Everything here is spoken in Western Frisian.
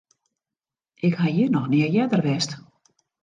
Ik ha hjir noch nea earder west.